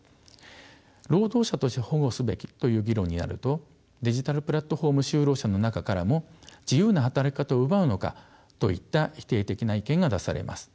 労働者として保護すべきという議論になるとデジタルプラットフォーム就労者の中からも自由な働き方を奪うのかといった否定的な意見が出されます。